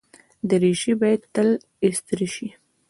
دریشي باید تل استری شي.